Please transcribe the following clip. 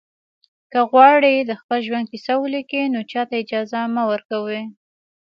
که غواړئ د خپل ژوند کیسه ولیکئ نو چاته اجازه مه ورکوئ.